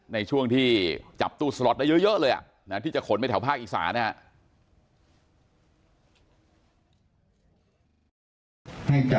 ในช่วงที่จับตู้สล็อตได้เยอะเลยที่จะขนไปแถวภาคอีสานนะครับ